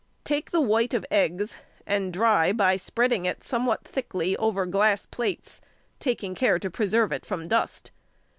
Take the white of eggs, and dry by spreading it somewhat thickly over glass plates, taking care to preserve it from dust.